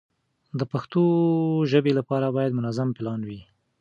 د پښتو ژبې لپاره باید منظم پلان وي.